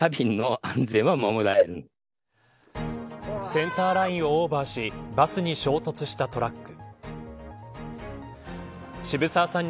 センターラインをオーバーしバスに衝突したトラック。